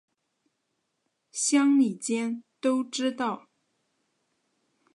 乡里间都知道